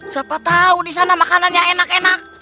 siapa tahu disana makanannya enak enak